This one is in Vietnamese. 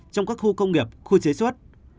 trong các khu công nghiệp khu chế xuất